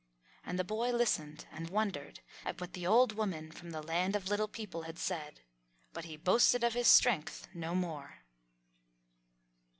And the boy listened and wondered at what the old woman from the Land of Little People had said, but he boasted of his strength no more.